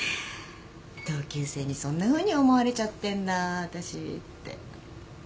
同級生にそんなふうに思われちゃってんだ私って。